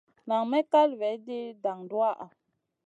Nan may kal vaidi dan duwaha.